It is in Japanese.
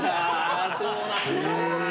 そうなんだー。